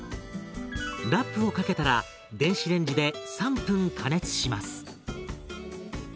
ラップをかけたら電子レンジで３分加熱します。